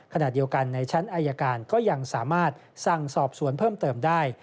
ขณะเดียวกันในชั้นอายการก็ยังสามารถสั่งสอบสวนเพิ่มเติมได้